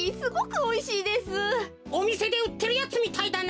おみせでうってるやつみたいだな。